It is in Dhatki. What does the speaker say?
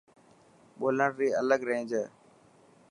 ٻولڻ ري الگ رينج هي.